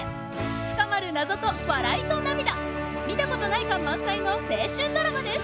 深まる謎と笑いと涙見たことない感満載の青春ドラマです！